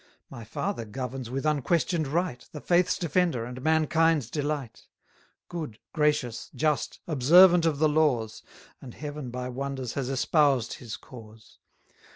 My father governs with unquestion'd right, The faith's defender, and mankind's delight; Good, gracious, just, observant of the laws; And Heaven by wonders has espoused his cause.